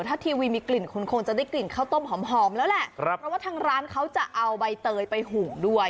ถ้าทีวีมีกลิ่นคุณคงจะได้กลิ่นข้าวต้มหอมแล้วแหละเพราะว่าทางร้านเขาจะเอาใบเตยไปหุงด้วย